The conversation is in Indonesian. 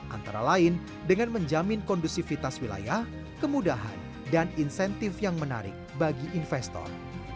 antara lain dengan menjamin kondusivitas wilayah kemudahan dan insentif yang menarik bagi investor